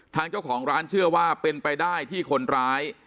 ทางเจ้าของร้านเชื่อว่าเป็นไปได้ที่คนร้าย